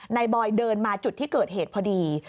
บอยเดินมาจุดที่เกิดเหตุพอดี